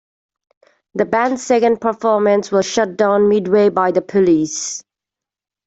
The band's second performance was shut down midway by the police.